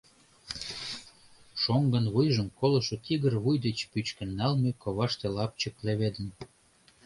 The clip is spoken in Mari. Шоҥгын вуйжым колышо тигр вуй деч пӱчкын налме коваште лапчык леведын.